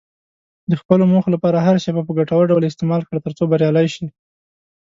د خپلو موخو لپاره هره شېبه په ګټور ډول استعمال کړه، ترڅو بریالی شې.